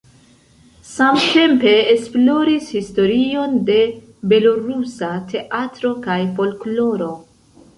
Samtempe esploris historion de belorusa teatro kaj folkloro.